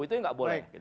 itu nggak boleh